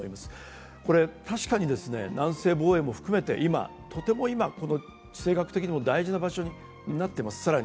確かに南西防衛も含めて、とても今地政学的にも大事な場所になっています。